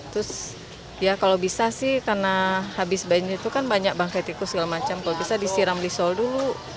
terus ya kalau bisa sih karena habis banjir itu kan banyak bangkai tikus segala macam kalau bisa disiram di sol dulu